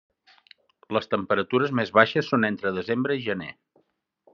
Les temperatures més baixes són entre desembre i gener.